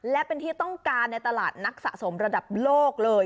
และเป็นที่ต้องการในตลาดนักสะสมระดับโลกเลย